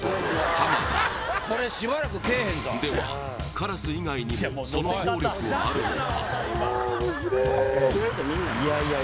浜田ではカラス以外にもその効力はあるのか？